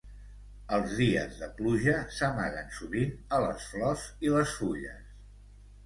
Els dies de pluja, s'amaguen sovint a les flors i les fulles.